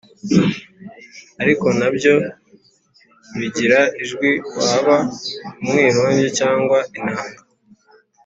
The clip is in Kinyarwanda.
Ariko na byo bigira ijwi waba umwironge cyangwa inanga